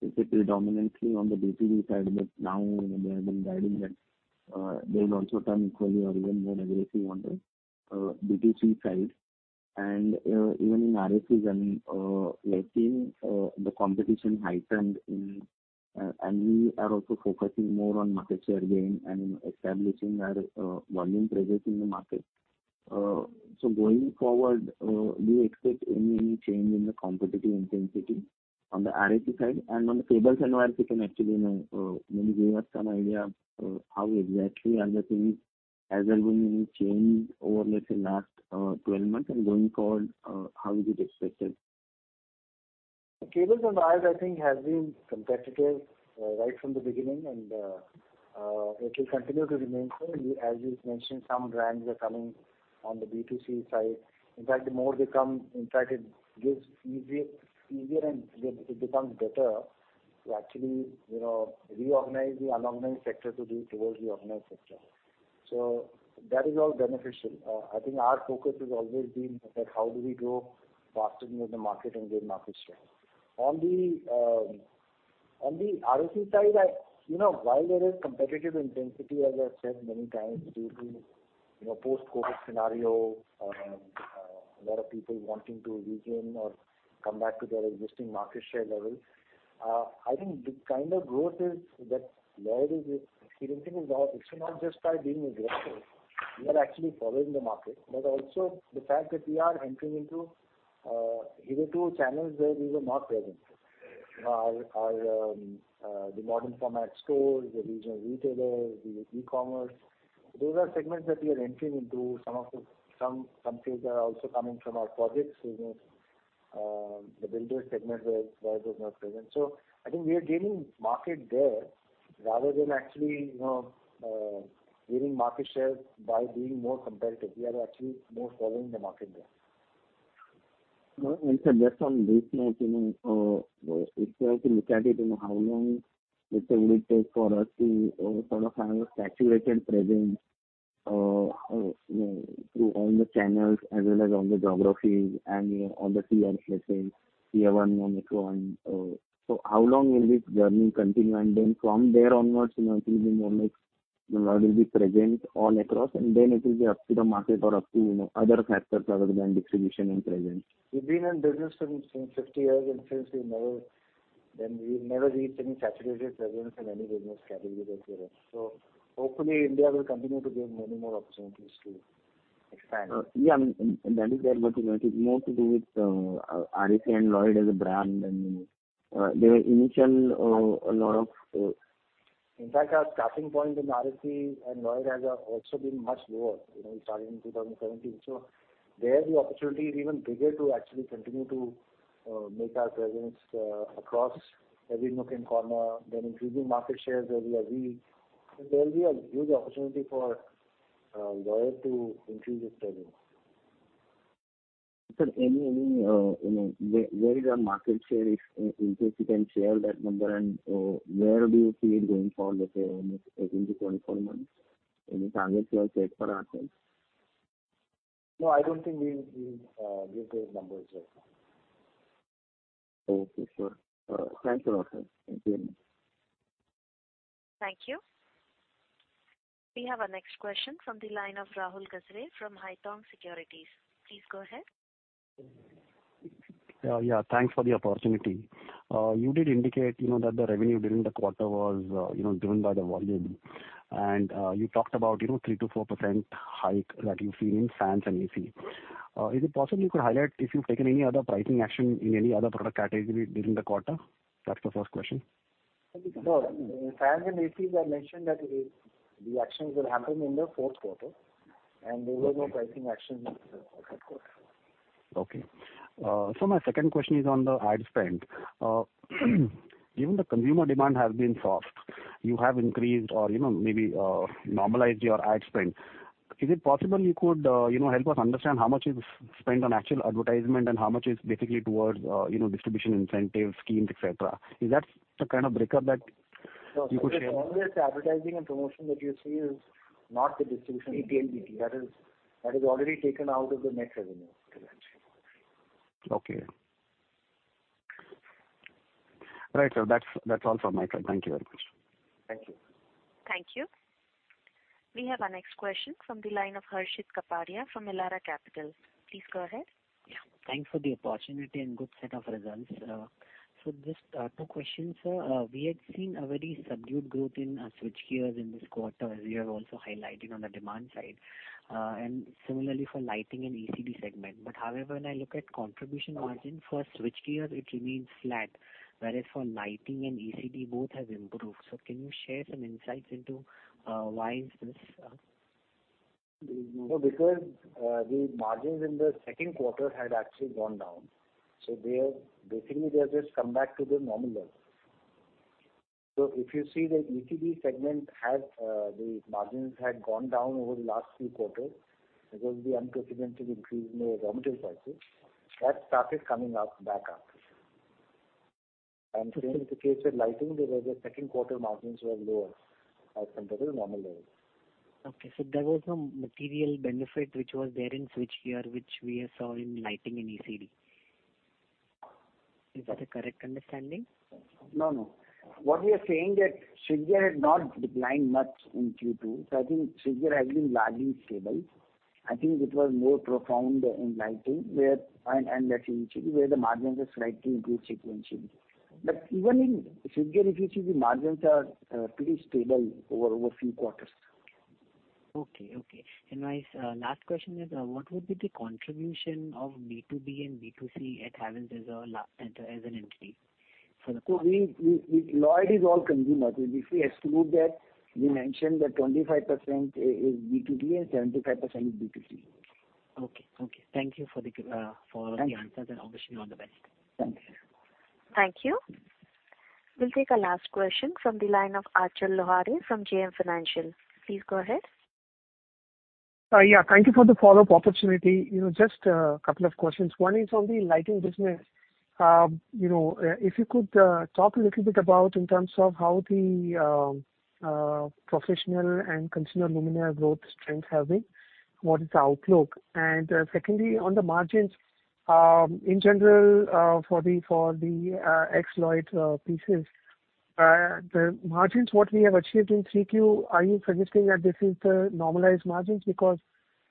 specifically dominantly on the B2B side, but now, you know, they have been guiding that they've also turned equally or even more aggressively on the B2C side. Even in RAC when lately, the competition heightened in, and we are also focusing more on market share gain and establishing our volume presence in the market. Going forward, do you expect any change in the competitive intensity on the RAC side? On the cables and wires, you can actually, you know, maybe give us some idea of how exactly are the things, as well, going to change over, let's say, last, 12 months and going forward, how is it expected? Cables and wires, I think, has been competitive, right from the beginning, and it will continue to remain so. As you've mentioned, some brands are coming on the B2C side. In fact, the more they come, in fact it gives easier and it becomes better to actually, you know, reorganize the unorganized sector to the towards the organized sector. That is all beneficial. I think our focus has always been that how do we grow faster than the market and gain market share. On the, on the RAC side, I, you know, while there is competitive intensity, as I've said many times, due to, you know, post-COVID scenario, a lot of people wanting to regain or come back to their existing market share level. I think the kind of growth is that Lloyd is experiencing, it's not just by being aggressive. We are actually following the market. Also the fact that we are entering into hitherto channels where we were not present. Our the modern format stores, the regional retailers, the e-commerce, those are segments that we are entering into. Some of the sales are also coming from our projects. You know, the builders segment where Lloyd was not present. I think we are gaining market there rather than actually, you know, gaining market share by being more competitive. We are actually more following the market there. Sir, just on this note, you know, if we have to look at it in how long let's say would it take for us to sort of have a saturated presence, you know, through all the channels as well as all the geographies and all the tier places, tier 1, metro. How long will this journey continue? Then from there onwards, you know, it will be more like, you know, it will be present all across, and then it will be up to the market or up to, you know, other factors other than distribution and presence. We've been in business for 50 years, and since we've never reached any saturated presence in any business category that we are in. Hopefully India will continue to give many more opportunities to expand. Yeah. That is there. It's more to do with RAC and Lloyd as a brand. In fact, our starting point in RAC and Lloyd has also been much lower. You know, we started in 2017. There the opportunity is even bigger to actually continue to make our presence across every nook and corner, then increasing market shares where we are weak. There will be a huge opportunity for Lloyd to increase its presence. Sir, any, you know, where is our market share, if, in case you can share that number and where do you see it going forward, let's say almost 18-24 months? Any targets you have set for ourselves? No, I don't think we give those numbers right now. Okay. Sure. Thanks a lot, sir. Thank you. Thank you. We have our next question from the line of Rahul Gajare from Haitong Securities. Please go ahead. Yeah, thanks for the opportunity. You did indicate, you know, that the revenue during the quarter was, you know, driven by the volume. You talked about, you know, 3%-4% hike that you see in fans and AC. Is it possible you could highlight if you've taken any other pricing action in any other product category during the quarter? That's the first question. No. In fans and ACs I mentioned that the actions will happen in the fourth quarter. There were no pricing actions in the third quarter. Okay. My second question is on the ad spend. Given the consumer demand has been soft, you have increased or, you know, maybe, normalized your ad spend. Is it possible you could, you know, help us understand how much is spent on actual advertisement and how much is basically towards, you know, distribution incentives, schemes, et cetera? Is that the kind of breakup that you could share? No. All this advertising and promotion that you see is not the distribution- ATL/BTL. That is already taken out of the net revenue. Okay. Right. That's all from my side. Thank you very much. Thank you. Thank you. We have our next question from the line of Harshit Kapadia from Elara Capital. Please go ahead. Yeah. Thanks for the opportunity and good set of results. Just 2 questions, sir. We had seen a very subdued growth in Switchgears in this quarter, as you have also highlighted on the demand side. Similarly for lighting and ECD segment. However, when I look at contribution margin for Switchgear, it remains flat. Whereas for lighting and ECD, both have improved. Can you share some insights into why is this? No, because the margins in the second quarter had actually gone down. They are, basically they have just come back to their normal levels. If you see the ECD segment had the margins had gone down over the last few quarters because of the unprecedented increase in the raw material prices. That started coming up back after. Same is the case with lighting. There was a second quarter margins were lower as compared to the normal levels. Okay. There was no material benefit which was there in Switchgear, which we have saw in lighting and ECD. Is that a correct understanding? No, no. What we are saying that Switchgear had not declined much in Q2. I think Switchgear has been largely stable. I think it was more profound in lighting and that's initially where the margins have slightly improved sequentially. Even in Switchgear, if you see the margins are pretty stable over a few quarters. Okay, okay. My last question is, what would be the contribution of B2B and B2C at Havells as an entity for. We Lloyd is all consumer. If we exclude that, we mentioned that 25% is B2B and 75% is B2C. Okay, okay. Thank you for all the answers and obviously all the best. Thank you. Thank you. We'll take our last question from the line of Achal Lohade from JM Financial. Please go ahead. Yeah, thank you for the follow-up opportunity. You know, just 2 questions. One is on the lighting business. You know, if you could talk a little bit about in terms of how the professional and consumer luminaire growth trends have been, what is the outlook? Secondly, on the margins, in general, for the ex-Lloyd pieces, the margins, what we have achieved in 3Q, are you suggesting that this is the normalized margins?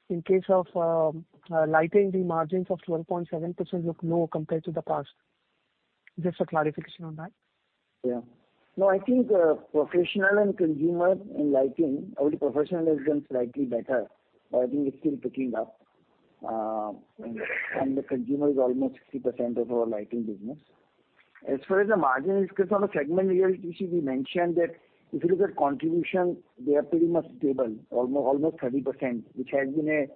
In case of lighting, the margins of 12.7% look low compared to the past. Just a clarification on that. Yeah. No, I think professional and consumer in lighting, our professional has done slightly better. I think it's still picking up. The consumer is almost 60% of our lighting business. As far as the margin is concerned, on the segment results, you see, we mentioned that if you look at contribution, they are pretty much stable, almost 30%, which has been a,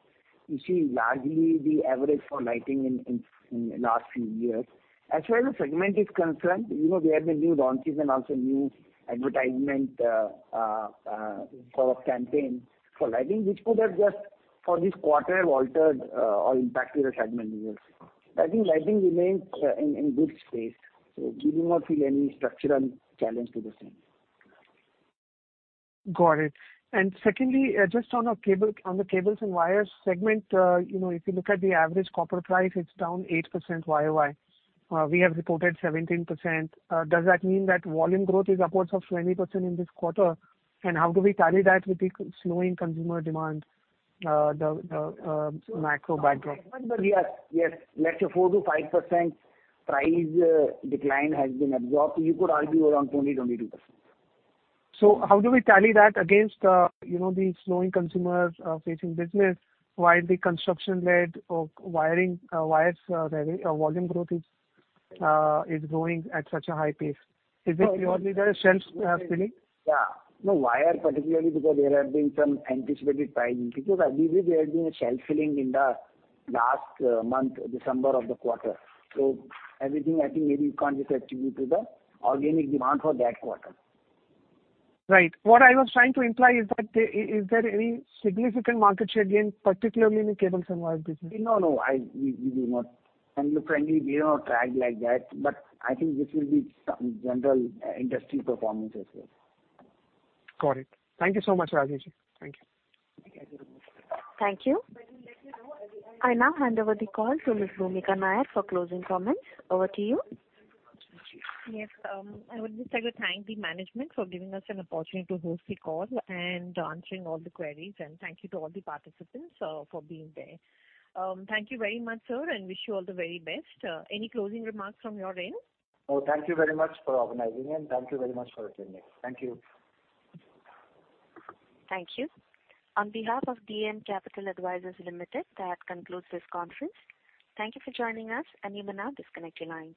you see, largely the average for lighting in the last few years. As far as the segment is concerned, you know, there have been new launches and also new advertisement sort of campaigns for lighting which could have just for this quarter altered or impacted the segment results. I think lighting remains in good space. We do not feel any structural challenge to the same. Got it. Secondly, just on the cables and wires segment, you know, if you look at the average copper price, it's down 8% YOY, we have reported 17%. Does that mean that volume growth is upwards of 20% in this quarter? How do we tally that with the slowing consumer demand, the macro backdrop? Yes. Let's say 4% to 5% price decline has been absorbed. You could argue around 20%-22%. How do we tally that against, you know, the slowing consumer facing business? Why the construction-led or wiring, wires, volume growth is growing at such a high pace. Is it purely there is shelf filling? Yeah. No wire particularly because there have been some anticipated pricing. I believe there had been a shelf filling in the last month, December of the quarter. Everything I think maybe you can't just attribute to the organic demand for that quarter. Right. What I was trying to imply is that is there any significant market share gain, particularly in the cables and wires business? No, no, we do not. Look, frankly, we don't track like that. I think this will be some general industry performance as well. Got it. Thank you so much, Rajivji. Thank you. Thank you very much. Thank you. I now hand over the call to Ms. Bhoomika Nair for closing comments. Over to you. Yes. I would just like to thank the management for giving us an opportunity to host the call and answering all the queries. Thank you to all the participants for being there. Thank you very much, sir, and wish you all the very best. Any closing remarks from your end? No. Thank you very much for organizing and thank you very much for attending. Thank you. Thank you. On behalf of DAM Capital Advisors Limited, that concludes this conference. Thank you for joining us. You may now disconnect your lines.